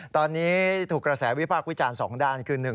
ตอนนี้ถูกกระแสวิพากษ์วิจารณ์๒ด้านคือ